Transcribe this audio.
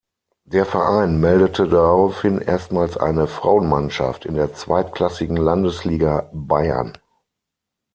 Der Verein meldete daraufhin erstmals eine Frauenmannschaft in der zweitklassigen Landesliga Bayern.